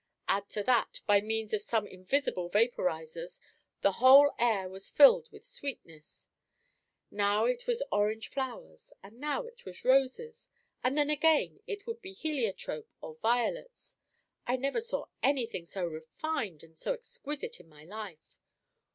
Add to that, by means of some invisible vaporizers, the whole air was filled with sweetness; now it was orange flowers, and now it was roses, and then again it would be heliotrope or violets; I never saw anything so refined and so exquisite in my life.